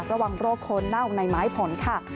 ระวังโรคโคนเน่าในไม้ผลค่ะ